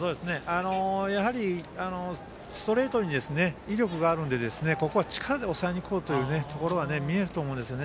やはり、ストレートに威力があるのでここは力で抑えに行こうというところが見えると思うんですよね。